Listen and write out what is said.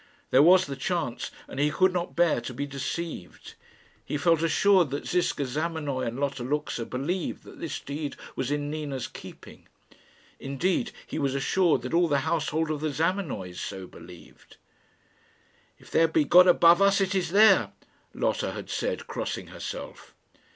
There was the chance, and he could not bear to be deceived. He felt assured that Ziska Zamenoy and Lotta Luxa believed that this deed was in Nina's keeping. Indeed, he was assured that all the household of the Zamenoys so believed. "If there be a God above us, it is there," Lotta had said, crossing herself.